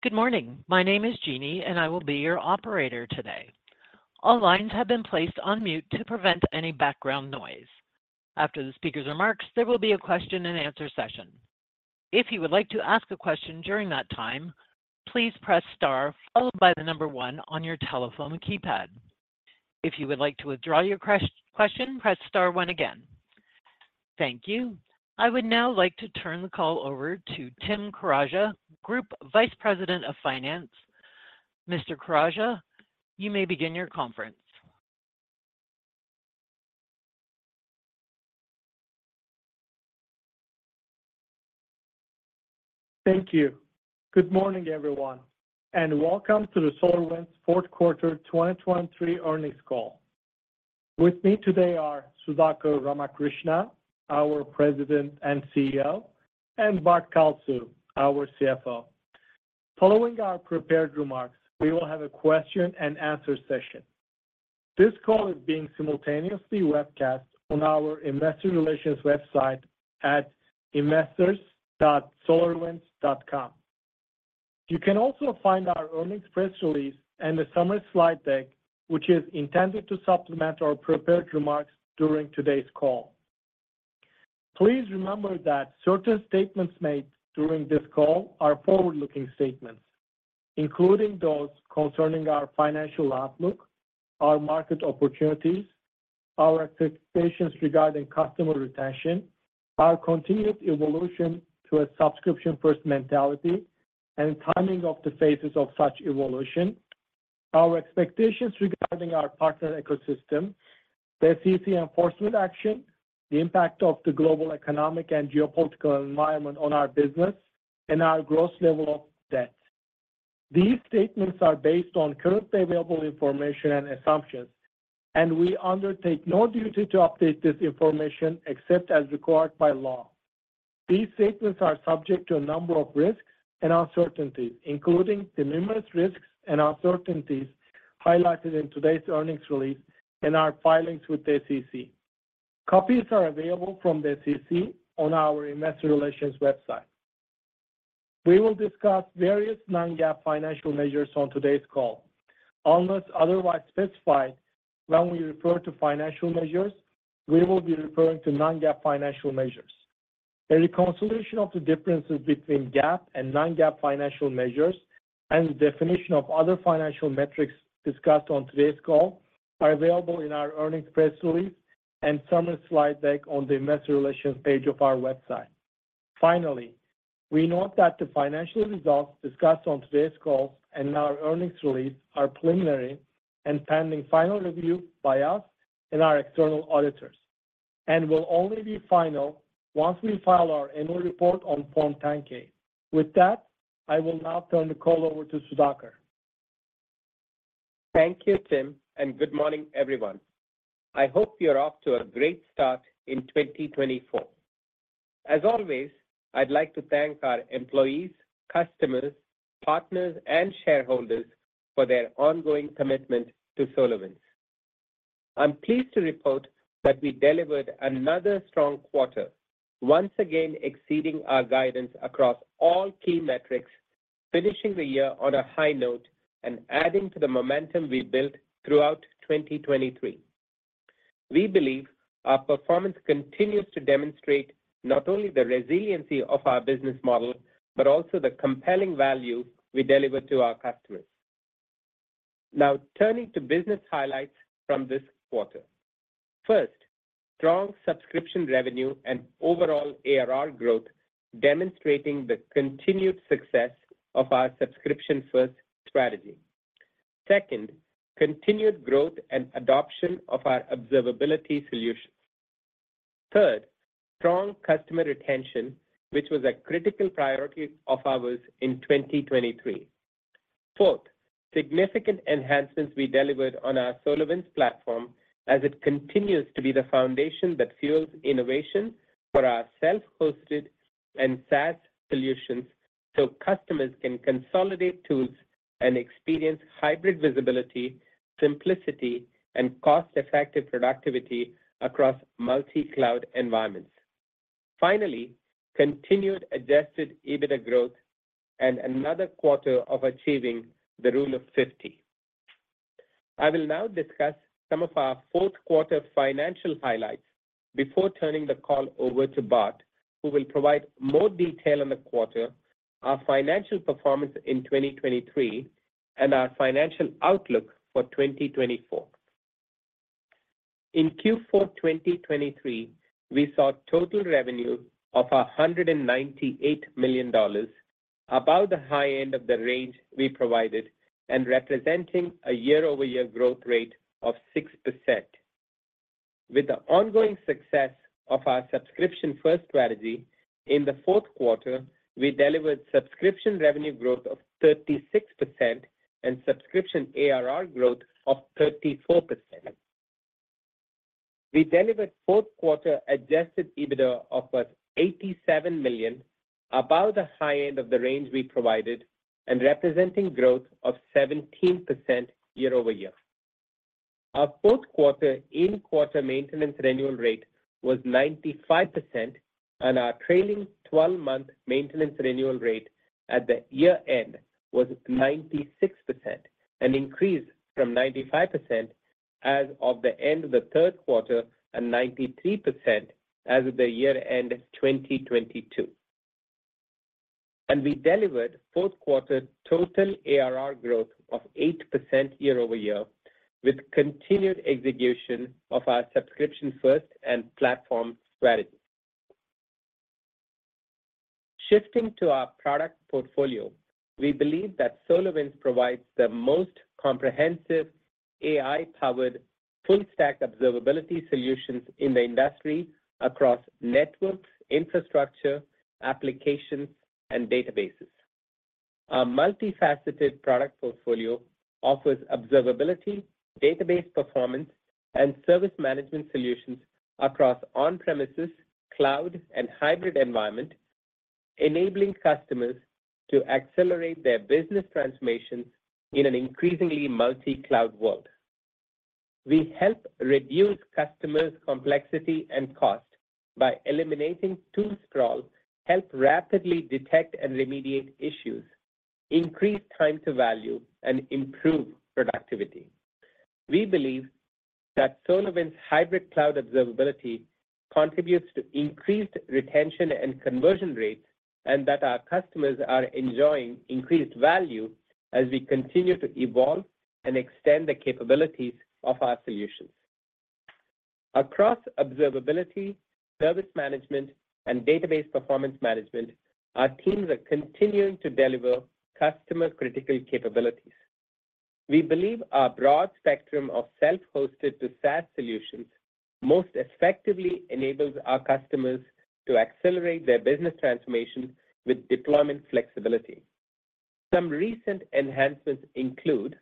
Good morning. My name is Jeannie, and I will be your operator today. All lines have been placed on mute to prevent any background noise. After the speaker's remarks, there will be a question and answer session. If you would like to ask a question during that time, please press Star, followed by the number one on your telephone keypad. If you would like to withdraw your question, press Star one again. Thank you. I would now like to turn the call over to Tim Karaca, Group Vice President of Finance. Mr. Karaca, you may begin your conference. Thank you. Good morning, everyone, and welcome to the SolarWinds fourth quarter 2023 earnings call. With me today are Sudhakar Ramakrishna, our President and CEO, and Bart Kalsu, our CFO. Following our prepared remarks, we will have a question and answer session. This call is being simultaneously webcast on our investor relations website at investors.solarwinds.com. You can also find our earnings press release and a summary slide deck, which is intended to supplement our prepared remarks during today's call. Please remember that certain statements made during this call are forward-looking statements, including those concerning our financial outlook, our market opportunities, our expectations regarding customer retention, our continued evolution to a subscription-first mentality, and timing of the phases of such evolution, our expectations regarding our partner ecosystem, the SEC enforcement action, the impact of the global economic and geopolitical environment on our business, and our gross level of debt. These statements are based on currently available information and assumptions, and we undertake no duty to update this information except as required by law. These statements are subject to a number of risks and uncertainties, including the numerous risks and uncertainties highlighted in today's earnings release and our filings with the SEC. Copies are available from the SEC on our investor relations website. We will discuss various non-GAAP financial measures on today's call. Unless otherwise specified, when we refer to financial measures, we will be referring to non-GAAP financial measures. A reconciliation of the differences between GAAP and non-GAAP financial measures and the definition of other financial metrics discussed on today's call are available in our earnings press release and summary slide deck on the investor relations page of our website. Finally, we note that the financial results discussed on today's call and in our earnings release are preliminary and pending final review by us and our external auditors, and will only be final once we file our annual report on Form 10-K. With that, I will now turn the call over to Sudhakar. Thank you, Tim, and good morning, everyone. I hope you're off to a great start in 2024. As always, I'd like to thank our employees, customers, partners, and shareholders for their ongoing commitment to SolarWinds. I'm pleased to report that we delivered another strong quarter, once again exceeding our guidance across all key metrics, finishing the year on a high note and adding to the momentum we built throughout 2023. We believe our performance continues to demonstrate not only the resiliency of our business model, but also the compelling value we deliver to our customers. Now, turning to business highlights from this quarter. First, strong subscription revenue and overall ARR growth, demonstrating the continued success of our subscription-first strategy. Second, continued growth and adoption of our observability solutions. Third, strong customer retention, which was a critical priority of ours in 2023. Fourth, significant enhancements we delivered on our SolarWinds Platform as it continues to be the foundation that fuels innovation for our self-hosted and SaaS solutions, so customers can consolidate tools and experience hybrid visibility, simplicity, and cost-effective productivity across multi-cloud environments. Finally, continued Adjusted EBITDA growth and another quarter of achieving the Rule of 50. I will now discuss some of our fourth quarter financial highlights before turning the call over to Bart, who will provide more detail on the quarter, our financial performance in 2023, and our financial outlook for 2024. In Q4 2023, we saw total revenue of $198 million, about the high end of the range we provided, and representing a year-over-year growth rate of 6%. With the ongoing success of our subscription-first strategy, in the fourth quarter, we delivered subscription revenue growth of 36% and subscription ARR growth of 34%. We delivered fourth quarter Adjusted EBITDA of $87 million, about the high end of the range we provided, and representing growth of 17% year-over-year. Our fourth quarter in-quarter maintenance renewal rate was 95%, and our trailing 12-month maintenance renewal rate at the year-end was 96%, an increase from 95% as of the end of the third quarter and 93% as of the year-end 2022. We delivered fourth quarter total ARR growth of 8% year-over-year, with continued execution of our subscription-first and platform strategy. Shifting to our product portfolio, we believe that SolarWinds provides the most comprehensive AI-powered, full-stack observability solutions in the industry across networks, infrastructure, applications, and databases. Our multifaceted product portfolio offers observability, database performance, and service management solutions across on-premises, cloud, and hybrid environment, enabling customers to accelerate their business transformation in an increasingly multi-cloud world. We help reduce customers' complexity and cost by eliminating tool sprawl, help rapidly detect and remediate issues, increase time to value, and improve productivity. We believe that SolarWinds Hybrid Cloud Observability contributes to increased retention and conversion rates, and that our customers are enjoying increased value as we continue to evolve and extend the capabilities of our solutions. Across observability, service management, and database performance management, our teams are continuing to deliver customer-critical capabilities. We believe our broad spectrum of self-hosted to SaaS solutions most effectively enables our customers to accelerate their business transformation with deployment flexibility. Some recent enhancements include: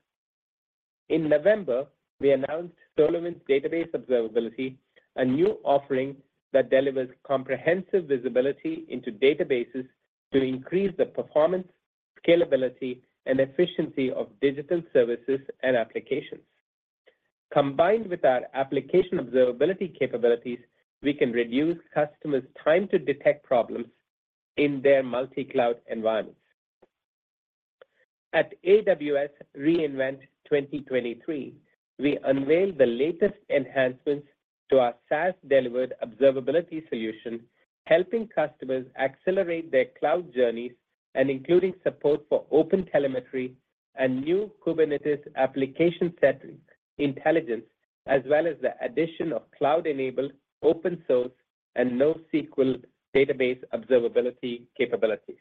In November, we announced SolarWinds Database Observability, a new offering that delivers comprehensive visibility into databases to increase the performance, scalability, and efficiency of digital services and applications. Combined with our application observability capabilities, we can reduce customers' time to detect problems in their multi-cloud environments. At AWS re:Invent 2023, we unveiled the latest enhancements to our SaaS-delivered observability solution, helping customers accelerate their cloud journeys and including support for OpenTelemetry and new Kubernetes application setting intelligence, as well as the addition of cloud-enabled, open source, and NoSQL database observability capabilities.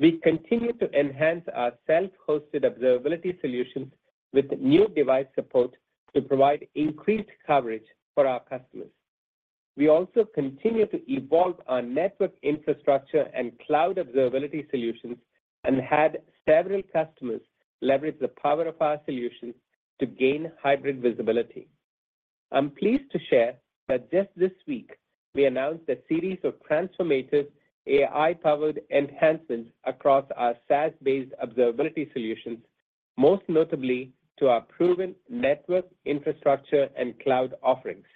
We continue to enhance our self-hosted observability solutions with new device support to provide increased coverage for our customers. We also continue to evolve our network infrastructure and cloud observability solutions and had several customers leverage the power of our solutions to gain hybrid visibility. I'm pleased to share that just this week, we announced a series of transformative AI-powered enhancements across our SaaS-based observability solutions, most notably to our proven network infrastructure and cloud offerings.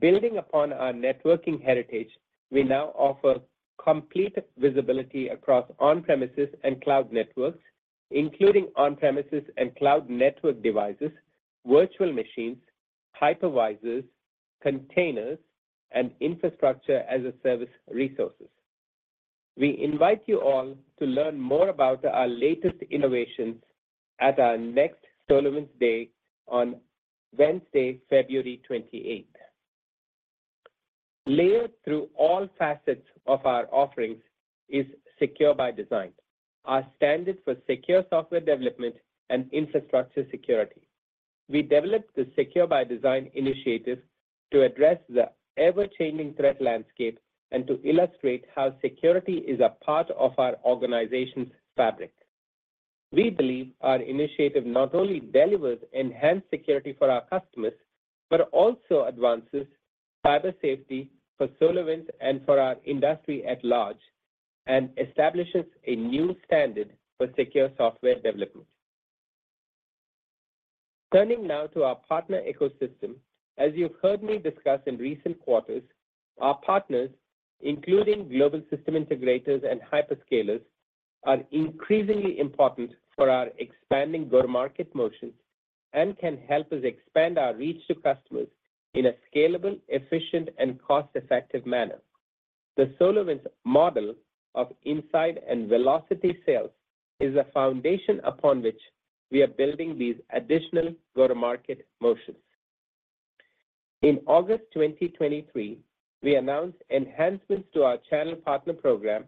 Building upon our networking heritage, we now offer complete visibility across on-premises and cloud networks, including on-premises and cloud network devices, virtual machines, hypervisors, containers, and Infrastructure as a Service resources. We invite you all to learn more about our latest innovations at our next SolarWinds Day on Wednesday, February 28th. Layered through all facets of our offerings is Secure by Design, our standard for secure software development and infrastructure security. We developed the Secure by Design initiative to address the ever-changing threat landscape and to illustrate how security is a part of our organization's fabric. We believe our initiative not only delivers enhanced security for our customers, but also advances cyber safety for SolarWinds and for our industry at large and establishes a new standard for secure software development. Turning now to our partner ecosystem. As you've heard me discuss in recent quarters, our partners, including global system integrators and hyperscalers, are increasingly important for our expanding go-to-market motions and can help us expand our reach to customers in a scalable, efficient, and cost-effective manner. The SolarWinds model of inside and velocity sales is the foundation upon which we are building these additional go-to-market motions. In August 2023, we announced enhancements to our channel partner program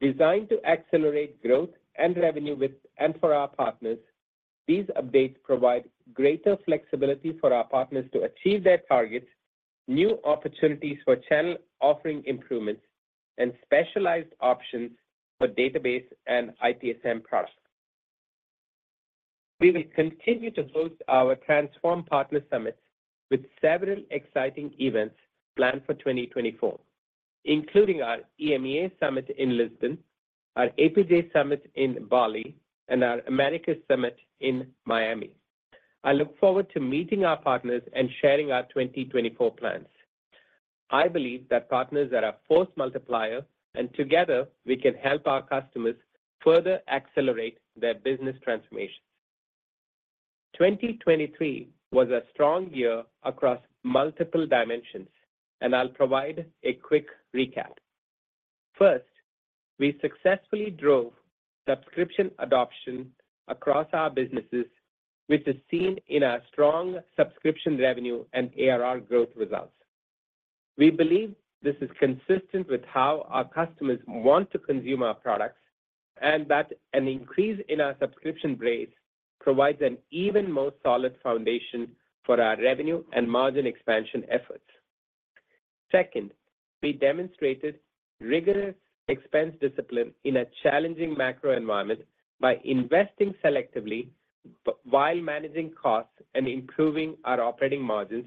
designed to accelerate growth and revenue with and for our partners. These updates provide greater flexibility for our partners to achieve their targets, new opportunities for channel offering improvements, and specialized options for database and ITSM products.... We will continue to host our Transform Partner Summit with several exciting events planned for 2024, including our EMEA Summit in Lisbon, our APJ Summit in Bali, and our Americas Summit in Miami. I look forward to meeting our partners and sharing our 2024 plans. I believe that partners are a force multiplier, and together we can help our customers further accelerate their business transformation. 2023 was a strong year across multiple dimensions, and I'll provide a quick recap. First, we successfully drove subscription adoption across our businesses, which is seen in our strong subscription revenue and ARR growth results. We believe this is consistent with how our customers want to consume our products, and that an increase in our subscription base provides an even more solid foundation for our revenue and margin expansion efforts. Second, we demonstrated rigorous expense discipline in a challenging macro environment by investing selectively, while managing costs and improving our operating margins,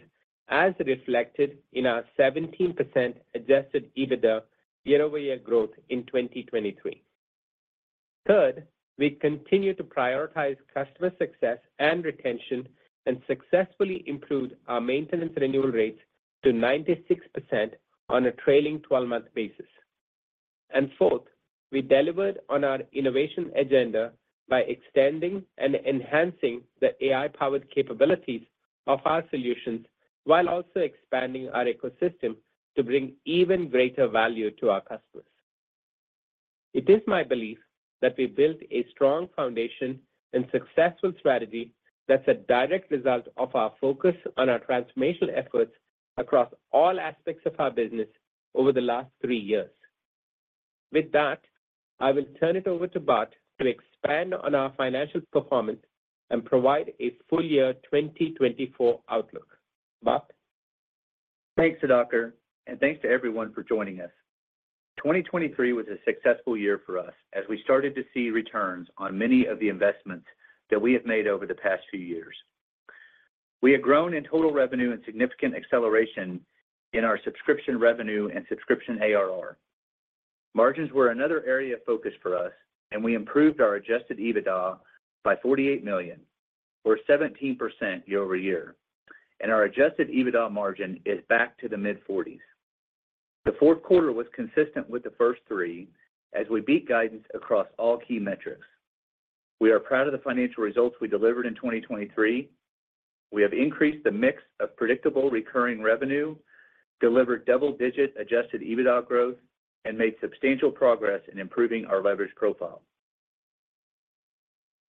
as reflected in our 17% Adjusted EBITDA year-over-year growth in 2023. Third, we continued to prioritize customer success and retention and successfully improved our maintenance renewal rates to 96% on a trailing 12-month basis. And fourth, we delivered on our innovation agenda by extending and enhancing the AI-powered capabilities of our solutions, while also expanding our ecosystem to bring even greater value to our customers. It is my belief that we built a strong foundation and successful strategy that's a direct result of our focus on our transformational efforts across all aspects of our business over the last three years. With that, I will turn it over to Bart to expand on our financial performance and provide a full-year 2024 outlook. Bart? Thanks, Sudhakar, and thanks to everyone for joining us. 2023 was a successful year for us as we started to see returns on many of the investments that we have made over the past few years. We have grown in total revenue and significant acceleration in our subscription revenue and subscription ARR. Margins were another area of focus for us, and we improved our adjusted EBITDA by $48 million, or 17% year-over-year, and our adjusted EBITDA margin is back to the mid-40s. The fourth quarter was consistent with the first three, as we beat guidance across all key metrics. We are proud of the financial results we delivered in 2023. We have increased the mix of predictable recurring revenue, delivered double-digit adjusted EBITDA growth, and made substantial progress in improving our leverage profile.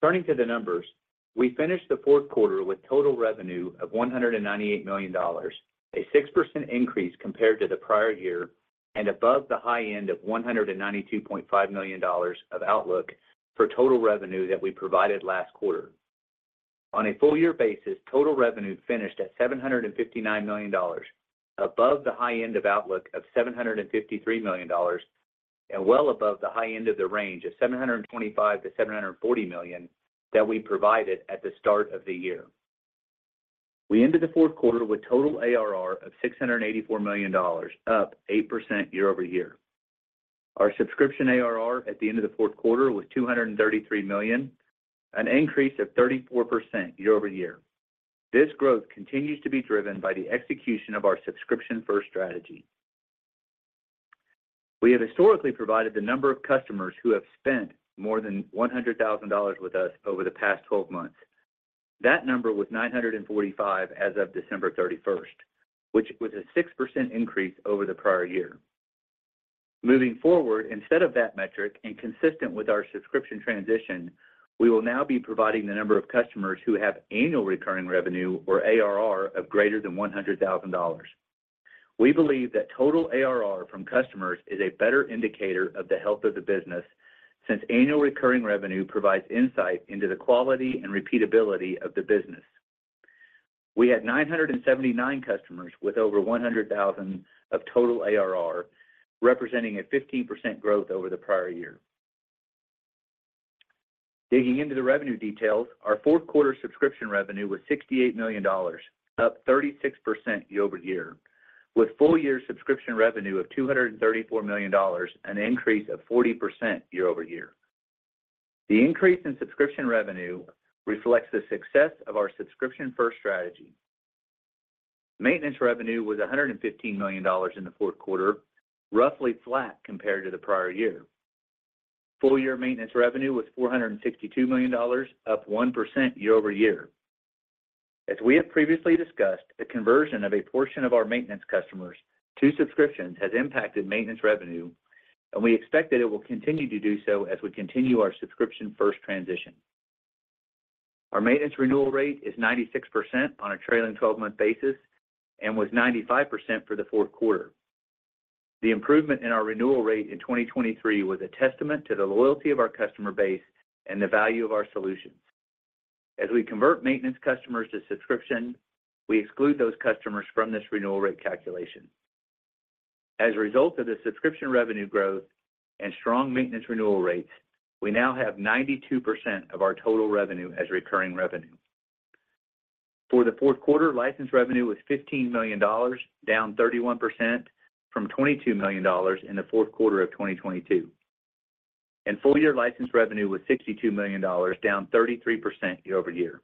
Turning to the numbers, we finished the fourth quarter with total revenue of $198 million, a 6% increase compared to the prior year, and above the high end of $192.5 million of outlook for total revenue that we provided last quarter. On a full year basis, total revenue finished at $759 million, above the high end of outlook of $753 million, and well above the high end of the range of $725 million-$740 million that we provided at the start of the year. We ended the fourth quarter with total ARR of $684 million, up 8% year-over-year. Our subscription ARR at the end of the fourth quarter was $233 million, an increase of 34% year-over-year. This growth continues to be driven by the execution of our subscription-first strategy. We have historically provided the number of customers who have spent more than $100,000 with us over the past 12 months. That number was 945 as of December 31, which was a 6% increase over the prior year. Moving forward, instead of that metric and consistent with our subscription transition, we will now be providing the number of customers who have annual recurring revenue, or ARR, of greater than $100,000. We believe that total ARR from customers is a better indicator of the health of the business, since annual recurring revenue provides insight into the quality and repeatability of the business. We had 979 customers with over 100,000 of total ARR, representing a 15% growth over the prior year. Digging into the revenue details, our fourth quarter subscription revenue was $68 million, up 36% year-over-year, with full year subscription revenue of $234 million, an increase of 40% year-over-year. The increase in subscription revenue reflects the success of our subscription-first strategy. Maintenance revenue was $115 million in the fourth quarter, roughly flat compared to the prior year. Full year maintenance revenue was $462 million, up 1% year-over-year. As we have previously discussed, the conversion of a portion of our maintenance customers to subscriptions has impacted maintenance revenue, and we expect that it will continue to do so as we continue our subscription-first transition. Our maintenance renewal rate is 96% on a trailing 12-month basis and was 95% for the fourth quarter. The improvement in our renewal rate in 2023 was a testament to the loyalty of our customer base and the value of our solutions. As we convert maintenance customers to subscription, we exclude those customers from this renewal rate calculation. As a result of the subscription revenue growth and strong maintenance renewal rates, we now have 92% of our total revenue as recurring revenue. For the fourth quarter, license revenue was $15 million, down 31% from $22 million in the fourth quarter of 2022, and full-year license revenue was $62 million, down 33% year-over-year.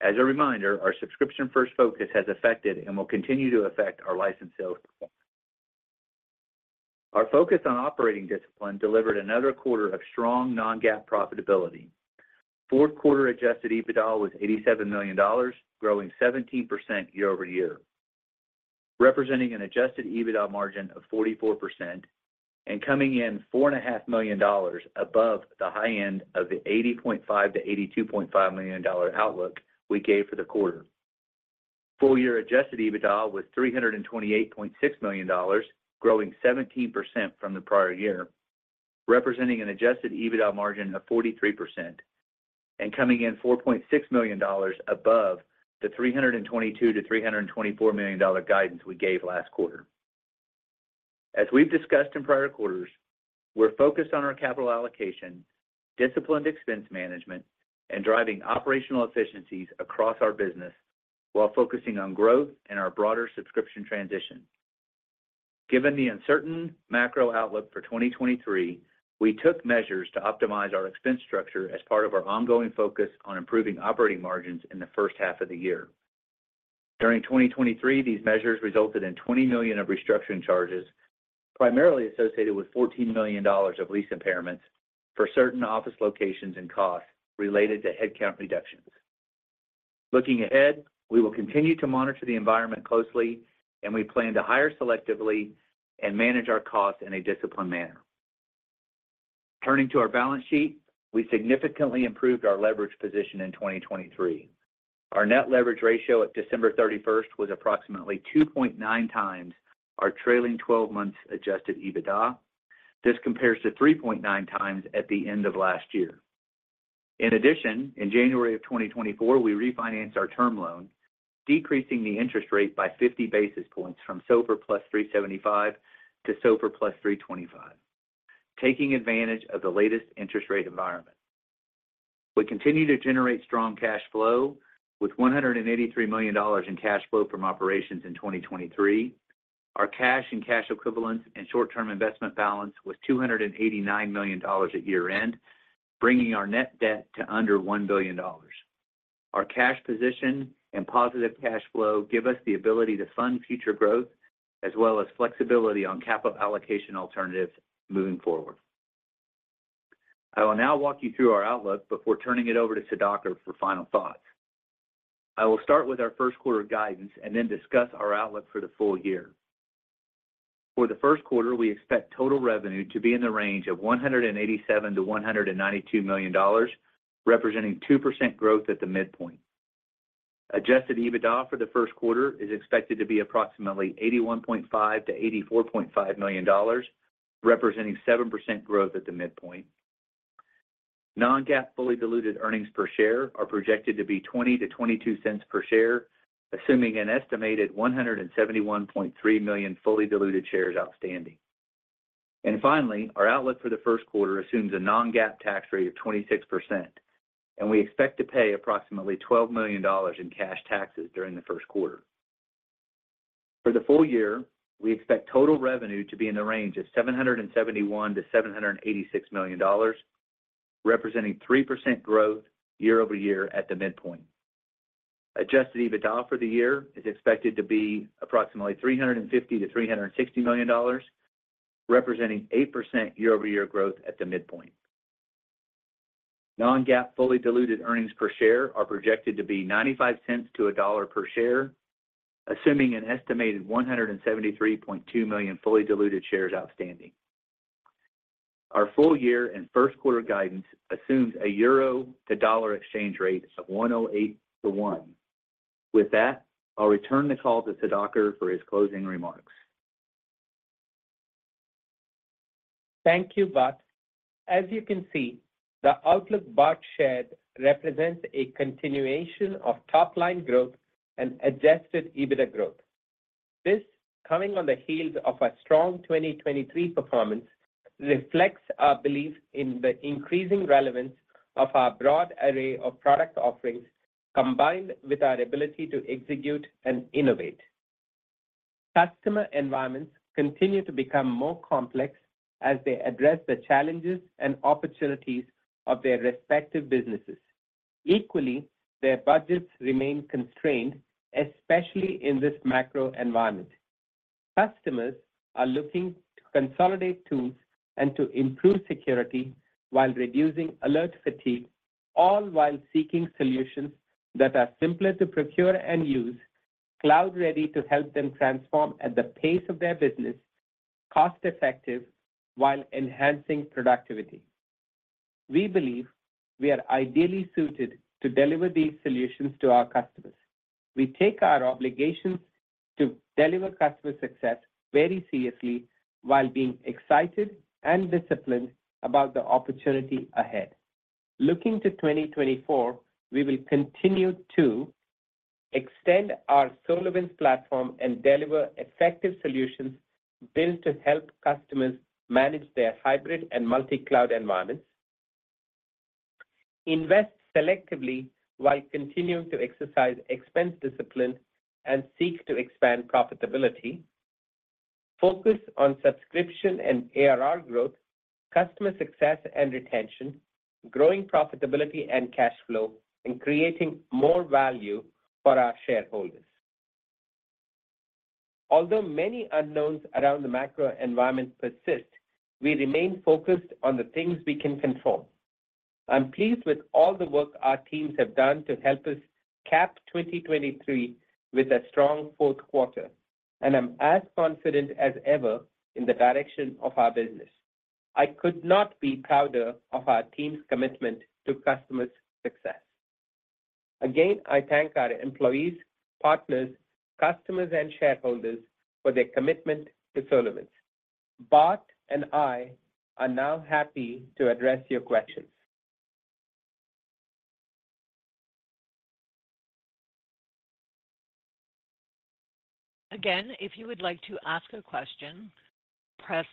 As a reminder, our subscription-first focus has affected and will continue to affect our license sales performance. Our focus on operating discipline delivered another quarter of strong non-GAAP profitability. Fourth quarter Adjusted EBITDA was $87 million, growing 17% year-over-year, representing an Adjusted EBITDA margin of 44% and coming in $4.5 million above the high end of the $80.5 million-$82.5 million outlook we gave for the quarter. Full-year Adjusted EBITDA was $328.6 million, growing 17% from the prior year, representing an Adjusted EBITDA margin of 43% and coming in $4.6 million above the $322 million-$324 million guidance we gave last quarter. As we've discussed in prior quarters, we're focused on our capital allocation, disciplined expense management, and driving operational efficiencies across our business while focusing on growth and our broader subscription transition. Given the uncertain macro outlook for 2023, we took measures to optimize our expense structure as part of our ongoing focus on improving operating margins in the first half of the year. During 2023, these measures resulted in $20 million of restructuring charges, primarily associated with $14 million of lease impairments for certain office locations and costs related to headcount reductions. Looking ahead, we will continue to monitor the environment closely, and we plan to hire selectively and manage our costs in a disciplined manner. Turning to our balance sheet, we significantly improved our leverage position in 2023. Our net leverage ratio at December 31 was approximately 2.9 times our trailing 12-month adjusted EBITDA. This compares to 3.9 times at the end of last year. In addition, in January 2024, we refinanced our term loan, decreasing the interest rate by 50 basis points from SOFR plus 3.75 to SOFR plus 3.25, taking advantage of the latest interest rate environment. We continue to generate strong cash flow with $183 million in cash flow from operations in 2023. Our cash and cash equivalents and short-term investment balance was $289 million at year-end, bringing our net debt to under $1 billion. Our cash position and positive cash flow give us the ability to fund future growth, as well as flexibility on cap allocation alternatives moving forward. I will now walk you through our outlook before turning it over to Sudhakar for final thoughts. I will start with our first quarter guidance and then discuss our outlook for the full year. For the first quarter, we expect total revenue to be in the range of $187 million-$192 million, representing 2% growth at the midpoint. Adjusted EBITDA for the first quarter is expected to be approximately $81.5 million-$84.5 million, representing 7% growth at the midpoint. Non-GAAP, fully diluted earnings per share are projected to be $0.20-$0.22 per share, assuming an estimated 171.3 million fully diluted shares outstanding. And finally, our outlook for the first quarter assumes a non-GAAP tax rate of 26%, and we expect to pay approximately $12 million in cash taxes during the first quarter. For the full year, we expect total revenue to be in the range of $771 million-$786 million, representing 3% growth year-over-year at the midpoint. Adjusted EBITDA for the year is expected to be approximately $350 million-$360 million, representing 8% year-over-year growth at the midpoint. Non-GAAP, fully diluted earnings per share are projected to be $0.95-$1.00 per share, assuming an estimated 173.2 million fully diluted shares outstanding. Our full year and first quarter guidance assumes a euro to dollar exchange rate of 1.08 to 1. With that, I'll return the call to Sudhakar for his closing remarks. Thank you, Bart. As you can see, the outlook Bart shared represents a continuation of top-line growth and Adjusted EBITDA growth. This, coming on the heels of a strong 2023 performance, reflects our belief in the increasing relevance of our broad array of product offerings, combined with our ability to execute and innovate. Customer environments continue to become more complex as they address the challenges and opportunities of their respective businesses. Equally, their budgets remain constrained, especially in this macro environment. Customers are looking to consolidate tools and to improve security while reducing alert fatigue, all while seeking solutions that are simpler to procure and use, cloud-ready to help them transform at the pace of their business, cost-effective while enhancing productivity. We believe we are ideally suited to deliver these solutions to our customers. We take our obligations to deliver customer success very seriously while being excited and disciplined about the opportunity ahead. Looking to 2024, we will continue to extend our SolarWinds platform and deliver effective solutions built to help customers manage their hybrid and multi-cloud environments, invest selectively while continuing to exercise expense discipline and seek to expand profitability, focus on subscription and ARR growth, customer success and retention, growing profitability and cash flow, and creating more value for our shareholders. Although many unknowns around the macro environment persist, we remain focused on the things we can control. I'm pleased with all the work our teams have done to help us cap 2023 with a strong fourth quarter, and I'm as confident as ever in the direction of our business. I could not be prouder of our team's commitment to customer success. Again, I thank our employees, partners, customers, and shareholders for their commitment to SolarWinds. Bart and I are now happy to address your questions. Again, if you would like to ask a question, press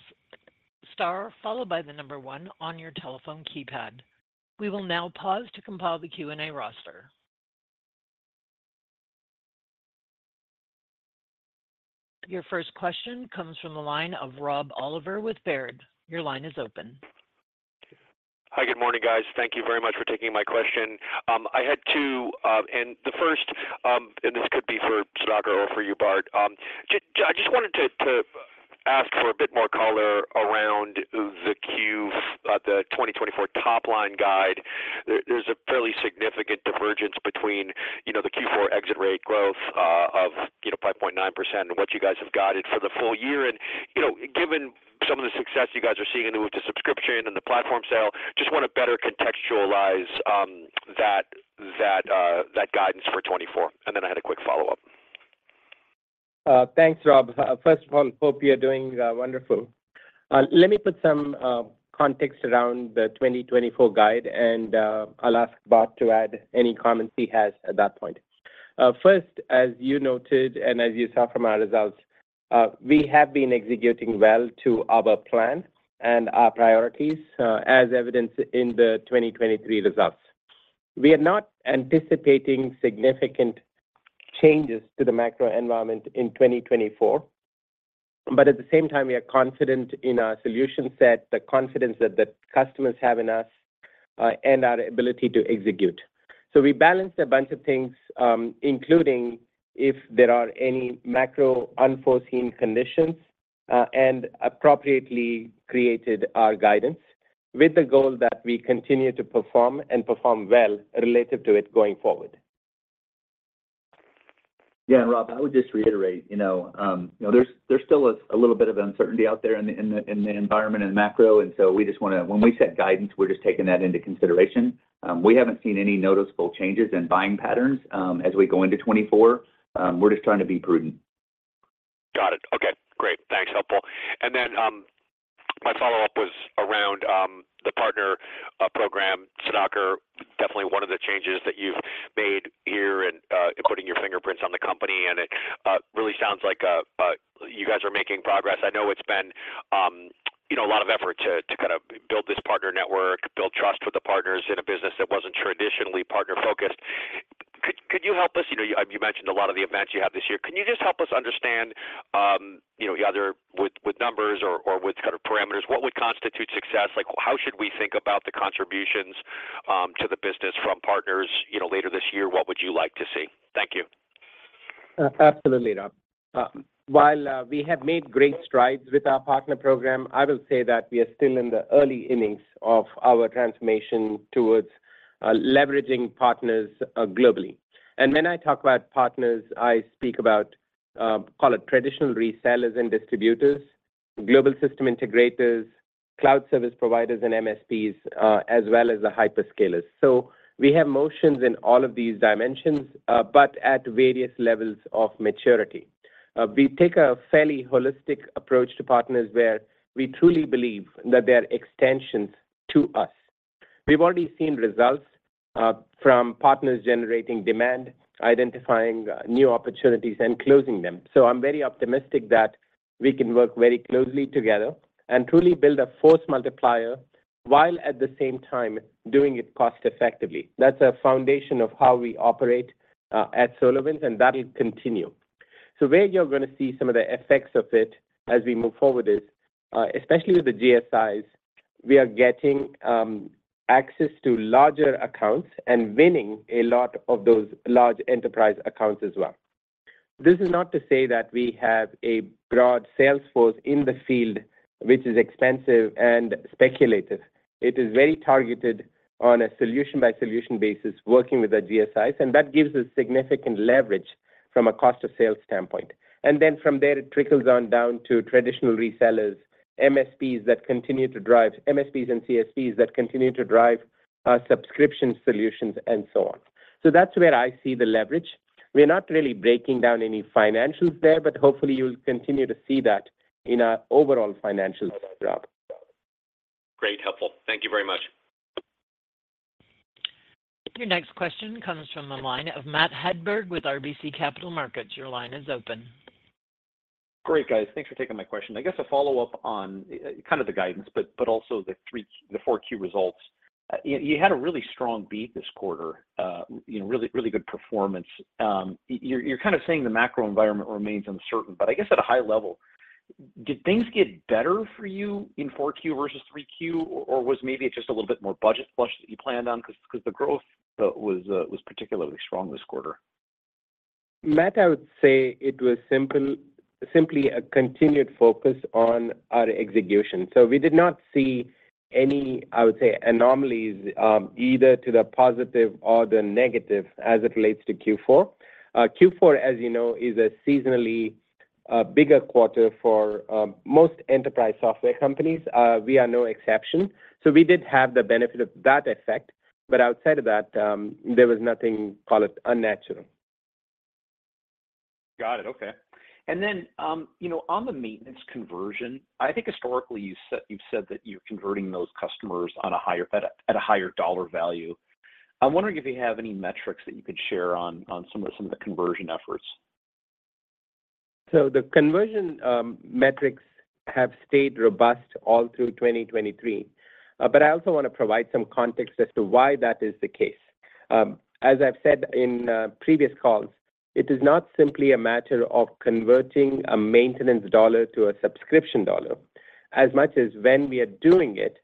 star followed by the number 1 on your telephone keypad. We will now pause to compile the Q&A roster. Your first question comes from the line of Rob Oliver with Baird. Your line is open. Hi, good morning, guys. Thank you very much for taking my question. I had two, and the first, and this could be for Sudhakar or for you, Bart. I just wanted to ask for a bit more color around the Q4, the 2024 top-line guide. There's a fairly significant divergence between, you know, the Q4 exit rate growth of, you know, 5.9% and what you guys have guided for the full year. And, you know, given some of the success you guys are seeing with the subscription and the platform sale, just want to better contextualize that, that, that guidance for 2024. And then I had a quick follow-up. Thanks, Rob. First of all, hope you are doing wonderful. Let me put some context around the 2024 guide, and I'll ask Bart to add any comments he has at that point. First, as you noted, and as you saw from our results, we have been executing well to our plan and our priorities, as evidenced in the 2023 results. We are not anticipating significant changes to the macro environment in 2024, but at the same time, we are confident in our solution set, the confidence that the customers have in us, and our ability to execute. So we balanced a bunch of things, including if there are any macro unforeseen conditions, and appropriately created our guidance with the goal that we continue to perform and perform well relative to it going forward. Yeah, Rob, I would just reiterate, you know, you know, there's still a little bit of uncertainty out there in the environment and macro, and so we just want to—when we set guidance, we're just taking that into consideration. We haven't seen any noticeable changes in buying patterns as we go into 2024. We're just trying to be prudent. Got it. Okay, great. Thanks. Helpful. Then, my follow-up was around the partner program. Sudhakar, definitely one of the changes that you've made here and, in putting your fingerprints on the company, and it, really sounds like, you guys are making progress. I know it's been, you know, a lot of effort to, to kind of build this partner network, build trust with the partners in a business that wasn't traditionally partner-focused. Could you help us... You know, you mentioned a lot of the events you have this year. Can you just help us understand, you know, either with numbers or with kind of parameters, what would constitute success? Like, how should we think about the contributions, to the business from partners, you know, later this year? What would you like to see? Thank you. Absolutely, Rob. While we have made great strides with our partner program, I will say that we are still in the early innings of our transformation towards leveraging partners globally. And when I talk about partners, I speak about, call it traditional resellers and distributors, global system integrators, cloud service providers, and MSPs, as well as the hyperscalers. So we have motions in all of these dimensions, but at various levels of maturity. We take a fairly holistic approach to partners, where we truly believe that they are extensions to us. We've already seen results from partners generating demand, identifying new opportunities and closing them. So I'm very optimistic that we can work very closely together and truly build a force multiplier, while at the same time doing it cost effectively. That's a foundation of how we operate at SolarWinds, and that will continue. So where you're going to see some of the effects of it as we move forward is, especially with the GSIs, we are getting access to larger accounts and winning a lot of those large enterprise accounts as well. This is not to say that we have a broad sales force in the field, which is expensive and speculative. It is very targeted on a solution-by-solution basis, working with the GSIs, and that gives us significant leverage from a cost of sales standpoint. And then from there, it trickles on down to traditional resellers, MSPs and CSPs that continue to drive subscription solutions and so on. So that's where I see the leverage. We're not really breaking down any financials there, but hopefully you'll continue to see that in our overall financials, Rob.... Great, helpful. Thank you very much. Your next question comes from the line of Matt Hedberg with RBC Capital Markets. Your line is open. Great, guys. Thanks for taking my question. I guess a follow-up on kind of the guidance, but also the 3Q—the 4Q results. You had a really strong beat this quarter, you know, really, really good performance. You're kind of saying the macro environment remains uncertain, but I guess at a high level, did things get better for you in 4Q versus 3Q, or was maybe it just a little bit more budget flush than you planned on? Because the growth was particularly strong this quarter. Matt, I would say it was simply a continued focus on our execution. So we did not see any, I would say, anomalies, either to the positive or the negative as it relates to Q4. Q4, as you know, is a seasonally bigger quarter for most enterprise software companies. We are no exception. So we did have the benefit of that effect, but outside of that, there was nothing, call it, unnatural. Got it. Okay. And then, you know, on the maintenance conversion, I think historically you said, you've said that you're converting those customers on a higher... at a, at a higher dollar value. I'm wondering if you have any metrics that you could share on, on some of, some of the conversion efforts. So the conversion metrics have stayed robust all through 2023. But I also want to provide some context as to why that is the case. As I've said in previous calls, it is not simply a matter of converting a maintenance dollar to a subscription dollar. As much as when we are doing it,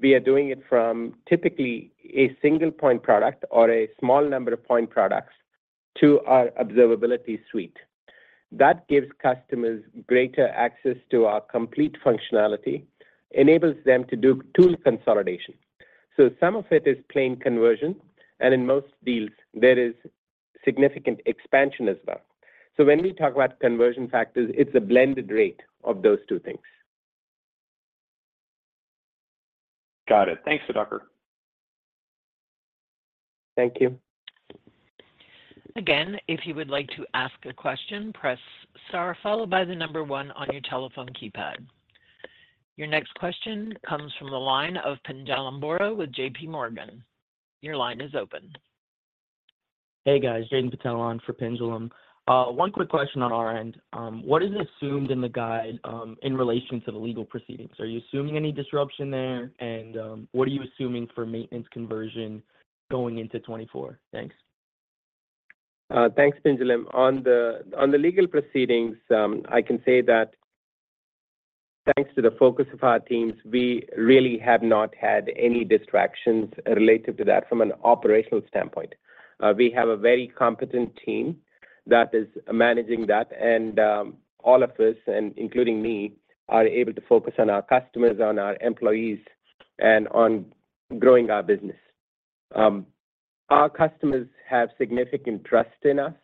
we are doing it from typically a single point product or a small number of point products to our observability suite. That gives customers greater access to our complete functionality, enables them to do tool consolidation. So some of it is plain conversion, and in most deals, there is significant expansion as well. So when we talk about conversion factors, it's a blended rate of those two things. Got it. Thanks, Sudhakar. Thank you. Again, if you would like to ask a question, press Star followed by the number one on your telephone keypad. Your next question comes from the line of Pinjalim Bora with JPMorgan. Your line is open. Hey, guys. Jaiden Patel on for Pinjalim. One quick question on our end. What is assumed in the guide, in relation to the legal proceedings? Are you assuming any disruption there, and what are you assuming for maintenance conversion going into 2024? Thanks. Thanks, Pinjalim. On the legal proceedings, I can say that thanks to the focus of our teams, we really have not had any distractions related to that from an operational standpoint. We have a very competent team that is managing that, and all of us, including me, are able to focus on our customers, on our employees, and on growing our business. Our customers have significant trust in us.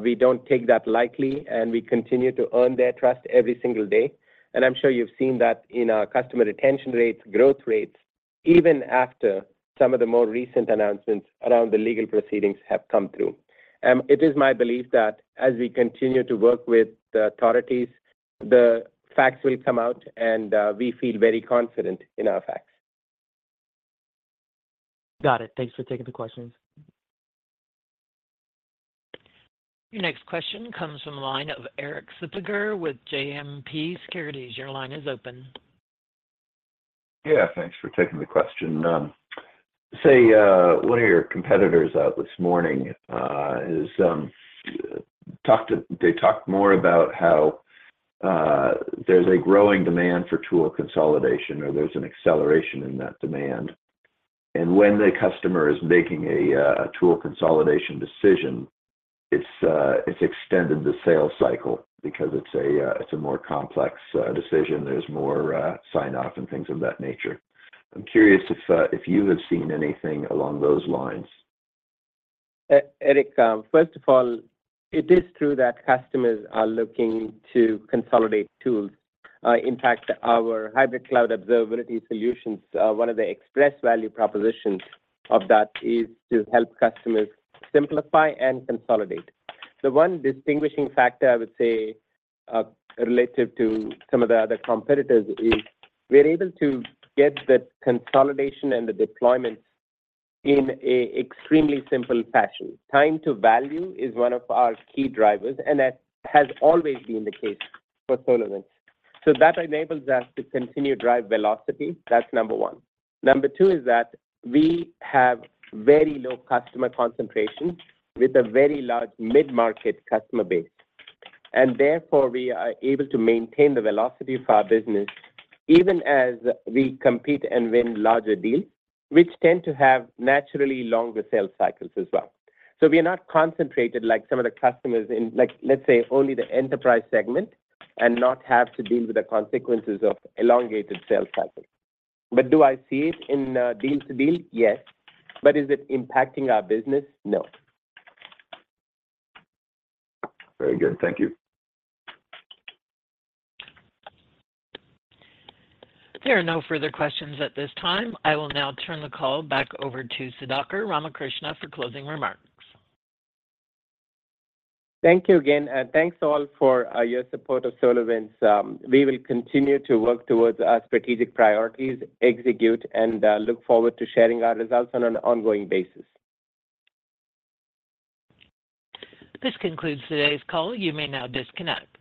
We don't take that lightly, and we continue to earn their trust every single day. And I'm sure you've seen that in our customer retention rates, growth rates, even after some of the more recent announcements around the legal proceedings have come through. It is my belief that as we continue to work with the authorities, the facts will come out, and we feel very confident in our facts. Got it. Thanks for taking the questions. Your next question comes from the line of Erik Suppiger with JMP Securities. Your line is open. Yeah, thanks for taking the question. Say, one of your competitors out this morning, they talked more about how there's a growing demand for tool consolidation, or there's an acceleration in that demand. And when the customer is making a tool consolidation decision, it's a more complex decision. There's more sign off and things of that nature. I'm curious if you have seen anything along those lines. Erik, first of all, it is true that customers are looking to consolidate tools. In fact, our Hybrid Cloud Observability solutions, one of the express value propositions of that is to help customers simplify and consolidate. The one distinguishing factor, I would say, relative to some of the other competitors, is we're able to get the consolidation and the deployment in a extremely simple fashion. Time to value is one of our key drivers, and that has always been the case for SolarWinds. So that enables us to continue to drive velocity. That's number one. Number two is that we have very low customer concentration with a very large mid-market customer base, and therefore, we are able to maintain the velocity of our business even as we compete and win larger deals, which tend to have naturally longer sales cycles as well. So we are not concentrated like some of the customers in, like, let's say, only the enterprise segment and not have to deal with the consequences of elongated sales cycles. But do I see it in, deal to deal? Yes. But is it impacting our business? No. Very good. Thank you. There are no further questions at this time. I will now turn the call back over to Sudhakar Ramakrishna for closing remarks. Thank you again, and thanks all for your support of SolarWinds. We will continue to work towards our strategic priorities, execute, and look forward to sharing our results on an ongoing basis. This concludes today's call. You may now disconnect.